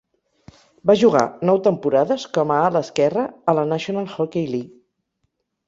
Va jugar nou temporades com a ala esquerre a la National Hockey League.